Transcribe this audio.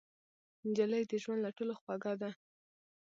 نجلۍ د ژوند له ټولو خوږه ده.